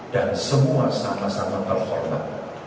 dan semua salah sama berhormat